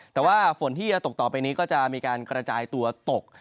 แต่ว่าฝนที่จะตกต่อไปนี้ก็จะมีการกระจายตัวตก